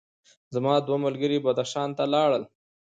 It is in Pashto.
زما دوه ملګري بدخشان ته لاړل.